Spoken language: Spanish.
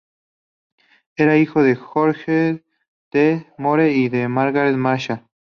Era hijo de George T. Moore y de Margaret Marshall.